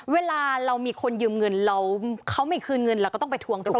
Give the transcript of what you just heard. เวลาเรามีคนยืมเงินเราเขาไม่คืนเงินเราก็ต้องไปทวงตรงนี้